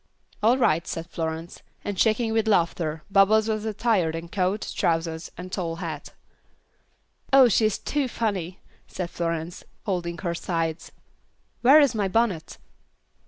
"All right," said Florence, and shaking with laughter, Bubbles was attired in coat, trousers, and tall hat. "Oh, she is too funny," said Florence, holding her sides. "Where is my bonnet?"